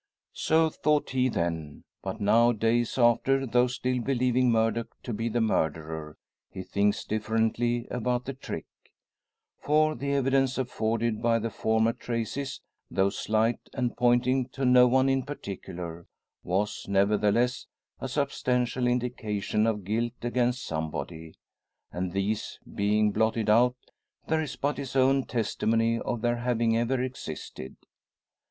So thought he then. But now, days after, though still believing Murdock to be the murderer, he thinks differently about the "trick." For the evidence afforded by the former traces, though slight, and pointing to no one in particular, was, nevertheless, a substantial indication of guilt against somebody; and these being blotted out, there is but his own testimony of their having ever existed.